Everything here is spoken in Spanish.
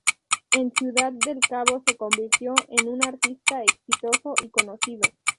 En Ciudad del Cabo se convirtió en un artista exitoso y conocido.